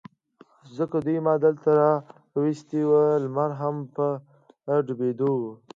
ځکه دوی ما دلته را وستي و، لمر هم په ډوبېدو و.